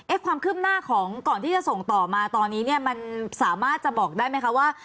ความคืบหน้าของก่อนที่จะส่งต่อมาตอนนี้เนี่ยมันสามารถจะบอกได้ไหมคะว่า